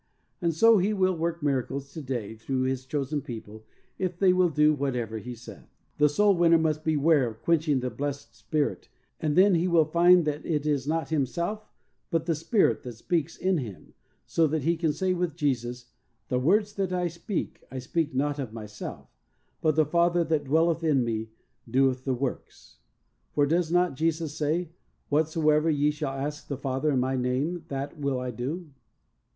And so He will work miracles to day through His chosen people, if they will do whatever He saith. 14 THE soul winner's SECRET. The soul winner must beware of quenching the blessed Spirit, and then he will find that it is not himself but the Spirit that speaks in him, so that he can say with Jesus, 'The words that I speak, I speak not of Myself, but the Father that dwelleth in Me He doeth the works," for does not Jesus say, "Whatso ever ye shall ask the Father in My name, that will I do?"